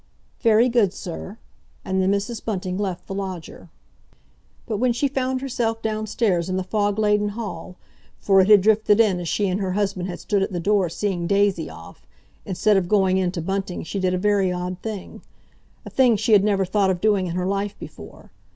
"Very good, sir." And then Mrs. Bunting left the lodger. But when she found herself downstairs in the fog laden hall, for it had drifted in as she and her husband had stood at the door seeing Daisy off, instead of going in to Bunting she did a very odd thing—a thing she had never thought of doing in her life before.